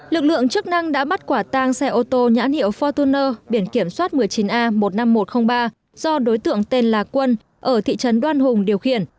lực lượng chức năng đã bắt quả tang xe ô tô nhãn hiệu fortuner biển kiểm soát một mươi chín a một mươi năm nghìn một trăm linh ba do đối tượng tên là quân ở thị trấn đoan hùng điều khiển